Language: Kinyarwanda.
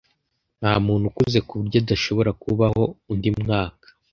Ntamuntu ukuze kuburyo adashobora kubaho undi mwaka.